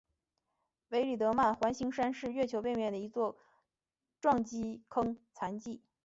弗里德曼环形山是月球背面的一座撞击坑残迹。